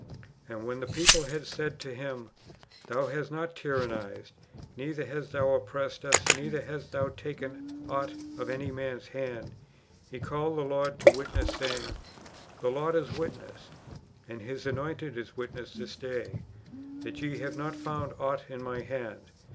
^ And when the people had said to him, '' Thou hast not tyrannized, neither hast thou oppressed us, neither hast thou taken ought of any man's hand," he called the Lord to witness, saying, " The Lord is witness, and His Anointed is witness this day, that ye have not found ought in my hand.